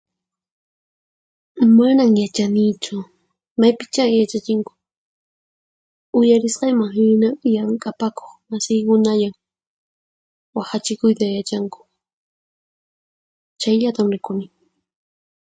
Manan yachanichu, maypichá yachachinku. Uyarisqayman hinaqa llank'apakuq masiykunallan wahachikuyta yachanku. Chayllatan rikuni.